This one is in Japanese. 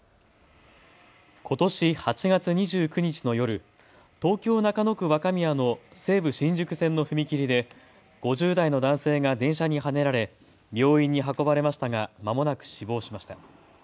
ことし８月２９日の夜、東京中野区若宮の西武新宿線の踏切で５０代の男性が電車にはねられ病院に運ばれましたがまもなく死亡しました。